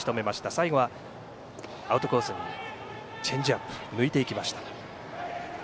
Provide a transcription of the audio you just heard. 最後はアウトコースにチェンジアップ抜いていきました。